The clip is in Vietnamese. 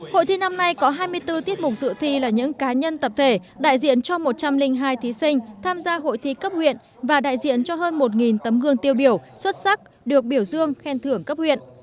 hội thi năm nay có hai mươi bốn tiết mục dự thi là những cá nhân tập thể đại diện cho một trăm linh hai thí sinh tham gia hội thi cấp huyện và đại diện cho hơn một tấm gương tiêu biểu xuất sắc được biểu dương khen thưởng cấp huyện